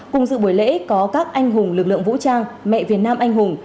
cùng dự buổi lễ có các anh hùng lực lượng vũ trang mẹ việt nam anh hùng